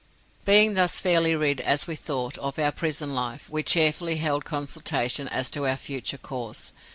"Being thus fairly rid as we thought of our prison life, we cheerfully held consultation as to our future course.